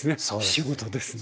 仕事ですね。